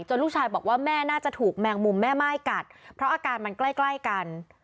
ลูกชายบอกว่าแม่น่าจะถูกแมงมุมแม่ม่ายกัดเพราะอาการมันใกล้ใกล้กัน